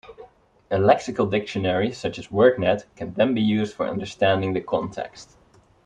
A lexical dictionary such as WordNet can then be used for understanding the context.